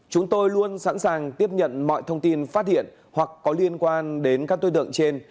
chúng tôi luôn sẵn sàng tiếp nhận mọi thông tin phát hiện hoặc có liên quan đến các đối tượng trên